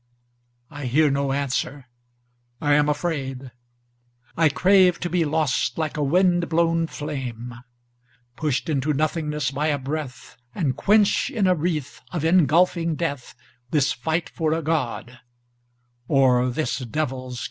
I hear no answer. I am afraid!I crave to be lost like a wind blown flame. Pushed into nothingness by a breath, And quench in a wreathOf engulfing deathThis fight for a God, or this devilâs game.